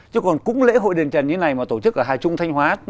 chứ còn cũng lễ hội đền trần như này mà tổ chức ở hà trung thanh hóa